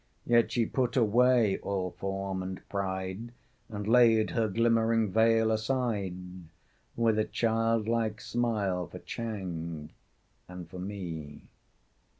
Yet she put away all form and pride, And laid her glimmering veil aside With a childlike smile for Chang and for me.